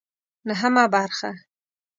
نهمه برخه